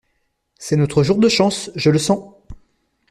C’est notre jour de chance, je le sens.